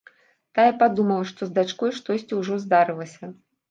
Тая падумала, што з дачкой штосьці ўжо здарылася.